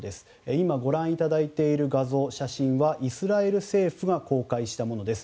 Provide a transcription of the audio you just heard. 今ご覧いただている画像、写真はイスラエル政府が公開したものです。